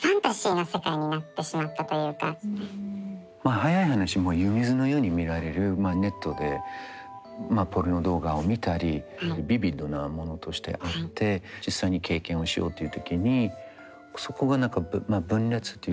早い話もう湯水のように見られるネットでポルノ動画を見たりビビッドなものとしてあって実際に経験をしようという時にそこが何か分裂っていうか。